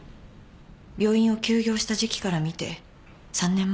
病院を休業した時期からみて３年前からでしょう。